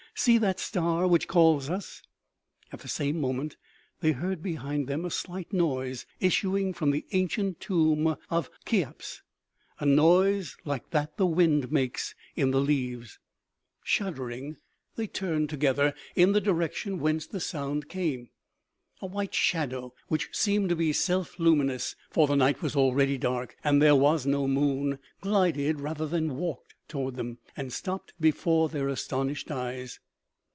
See that star, which calls us !" At the same moment they heard behind them a slight noise, issuing from the ancient tomb of Cheops, a noise like that the wind makes in the leaves. Shuddering, they 266 OMEGA. turned, together, in the direction whence the sound came. A white shadow, which seemed to be self luminous, for the night was already dark and there was no moon, glided rather than walked toward them, and stopped before their astonished eyes.